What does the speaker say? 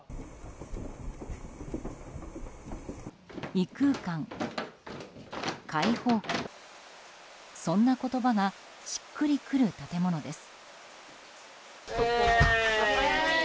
異空間、解放区、そんな言葉がしっくりくる建物です。